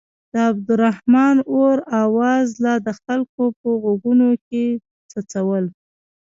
د عبدالرحمن اور اواز لا د خلکو په غوږونو کې څڅول.